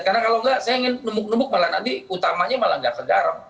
karena kalau gak saya ingin nemuk nemuk malah nanti utamanya malah gak kegaram